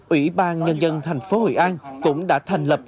ủy ban nhân dân thành phố hội an cũng đã thành lập